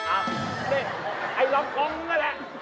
อ้าวให้ลำควองนึงก็แหละ